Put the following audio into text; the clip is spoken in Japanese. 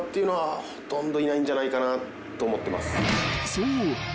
［そう］